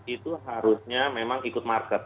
itu harusnya memang ikut market